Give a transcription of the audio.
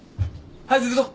早く行くぞ。